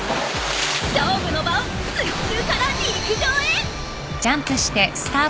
勝負の場を水中から陸上へ！